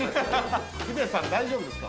ヒデさん、大丈夫ですか？